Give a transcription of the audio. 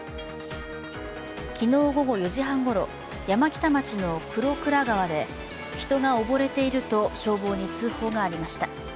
昨日午後４時半ごろ、山北町の玄倉川で人が溺れていると消防に通報がありました。